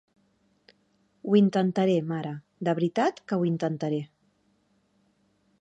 Ho intentaré, mare; de veritat que ho intentaré.